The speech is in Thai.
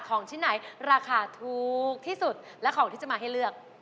ของชิ้นไหนราคาถูกที่สุดและของที่จะมาให้เลือก